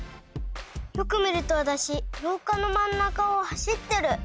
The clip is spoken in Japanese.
よく見るとわたしろうかの真ん中を走ってる。